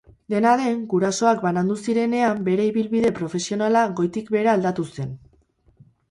Dena den, gurasoak banandu zirenean bere ibilbide profesionala goitik behera aldatu zen.